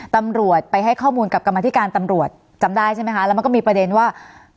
ตำรวจไปให้ข้อมูลกับกรรมธิการตำรวจจำได้ใช่ไหมคะแล้วมันก็มีประเด็นว่า